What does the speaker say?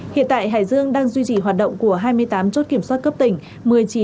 hiện tại hải dương đang duy trì hoạt động của hai mươi tám chốt kiểm soát cấp tỉnh